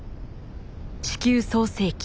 地球創成期